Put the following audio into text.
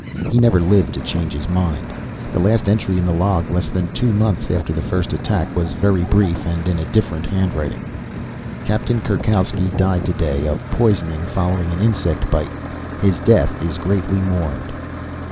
He never lived to change his mind. The last entry in the log, less than two months after the first attack, was very brief. And in a different handwriting. _Captain Kurkowski died today, of poisoning following an insect bite. His death is greatly mourned.